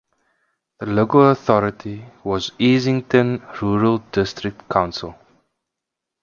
The local authority was Easington Rural District Council.